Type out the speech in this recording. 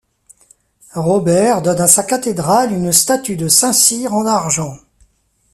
Robert donne à sa cathédrale une statue de saint Cyr en argent.